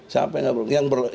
siapa yang tidak berlaku